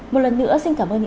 một lần nữa xin cảm ơn